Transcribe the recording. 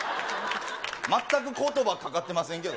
全くことばかかってませんけど。